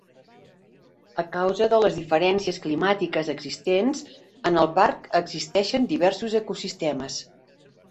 A causa de les diferències climàtiques existents en el parc existixen diversos ecosistemes.